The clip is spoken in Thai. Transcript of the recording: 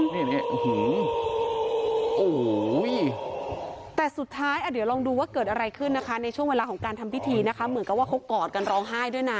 นี่โอ้โหแต่สุดท้ายอ่ะเดี๋ยวลองดูว่าเกิดอะไรขึ้นนะคะในช่วงเวลาของการทำพิธีนะคะเหมือนกับว่าเขากอดกันร้องไห้ด้วยนะ